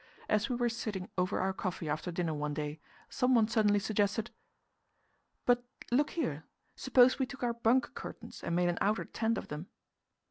As we were sitting over our coffee after dinner one day, someone suddenly suggested: "But look here suppose we took our bunk curtains and made an outer tent of them?"